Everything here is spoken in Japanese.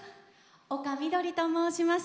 丘みどりと申します。